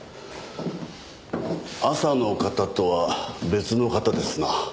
朝の方とは別の方ですな。